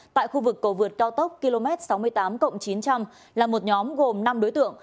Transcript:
tại khu vực cầu vượt cao tốc km sáu mươi tám chín trăm linh là một nhóm gồm năm đối tượng